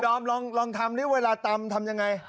อมลองทำดิเวลาตำทำยังไง